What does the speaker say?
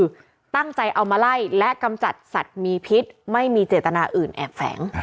คือตั้งใจเอามาไล่และกำจัดสัตว์มีพิษไม่มีเจตนาอื่นแอบแฝง